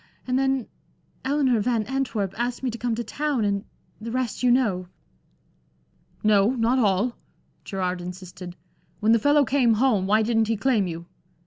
And then Eleanor Van Antwerp asked me to come to town, and the rest you know." "No, not all." Gerard insisted. "When the fellow came home, why didn't he claim you?